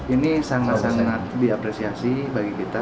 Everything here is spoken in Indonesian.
ini sangat sangat diapresiasi bagi kita